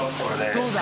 そうだ。